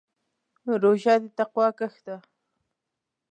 روژه د تقوا کښت دی.